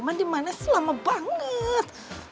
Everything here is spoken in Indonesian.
mama dimana selama banget